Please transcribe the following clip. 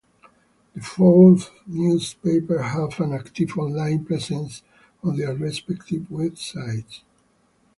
The four newspapers have an active online presence on their respective websites.